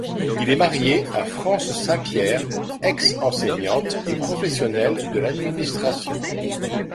Il est marié à France Saint-Pierre, ex-enseignante et professionnelle de l'administration.